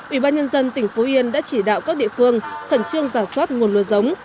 ủy ban nhân dân tỉnh phú yên đã chỉ đạo các địa phương khẩn trương giả soát nguồn lúa giống